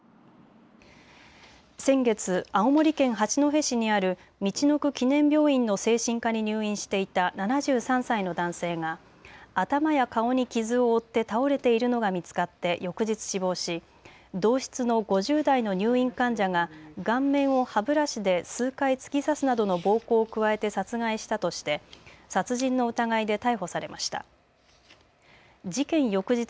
先月、青森県八戸市にあるみちのく記念病院の精神科に入院していた７３歳の男性が頭や顔に傷を負って倒れているのが見つかって翌日、死亡し同室の５０代の入院患者が顔面を歯ブラシで数回突き刺すなどの暴行を加えて殺害したとして殺人の疑いで逮捕されました。